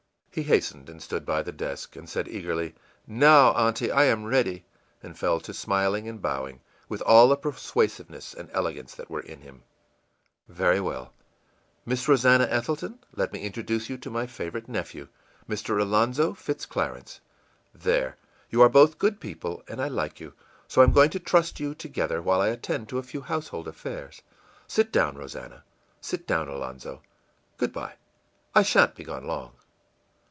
î He hastened and stood by the desk, and said eagerly, ìNow, Aunty, I am ready,î and fell to smiling and bowing with all the persuasiveness and elegance that were in him. ìVery well. Miss Rosannah Ethelton, let me introduce to you my favorite nephew, Mr. Alonzo Fitz Clarence. There! You are both good people, and I like you; so I am going to trust you together while I attend to a few household affairs. Sit down, Rosannah; sit down, Alonzo. Good by; I sha'n't be gone long.